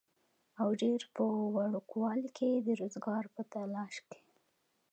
او ډېر پۀ وړوکوالي کښې د روزګار پۀ تالاش کښې